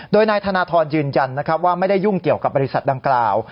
โดยนายธนทรยืนยันนะครับว่าไม่ได้ยุ่งเกี่ยวกับบริษัทดังกล่าว